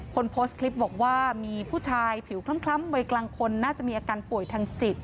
คนโพสต์คลิปบอกว่ามีผู้ชายผิวคล้ำวัยกลางคนน่าจะมีอาการป่วยทางจิต